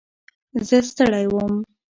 زه ستړی وم.